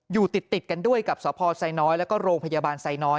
อยู่ติดกันด้วยกับสพไซน้อยแล้วก็โรงพยาบาลไซน้อย